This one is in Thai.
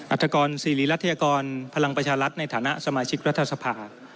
รัฐกรสิริรัฐยากรพลังประชารัฐในฐานะสมาชิกรัฐสภา